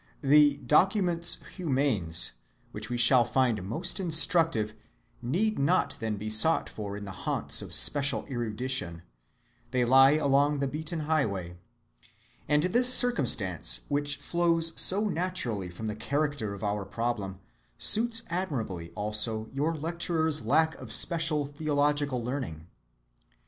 The documents humains which we shall find most instructive need not then be sought for in the haunts of special erudition—they lie along the beaten highway; and this circumstance, which flows so naturally from the character of our problem, suits admirably also your lecturer's lack of special theological learning.